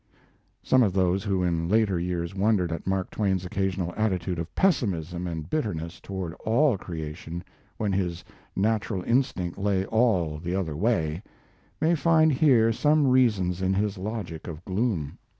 Some of those who in later years wondered at Mark Twain's occasional attitude of pessimism and bitterness toward all creation, when his natural instinct lay all the other way, may find here some reasons in his logic of gloom.